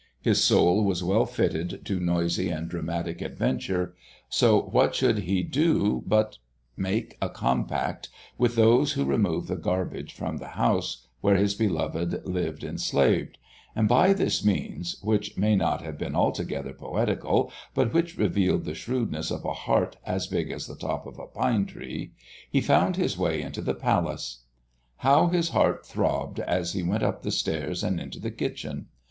His soul was well fitted to noisy and dramatic adventures, so what should he do but make a compact with those who removed the garbage from the house where his beloved lived enslaved; and by this means which may not have been altogether poetical, but which revealed the shrewdness of a heart as big as the top of a pine tree he found his way into the palace. How his heart throbbed as he went up the stairs and into the kitchen!